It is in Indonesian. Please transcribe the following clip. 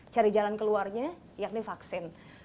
cari jalan keluarnya yakni vaksin